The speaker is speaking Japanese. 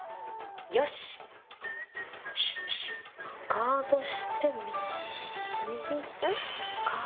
ガードして右。